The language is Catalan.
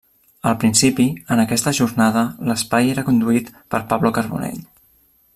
Al principi, en aquesta jornada l'espai era conduït per Pablo Carbonell.